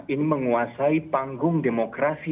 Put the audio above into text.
ini menguasai panggung demokrasi